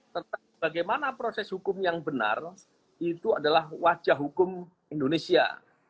tentang bagaimana proses hukum yang benar itu adalah wajah hukum indonesia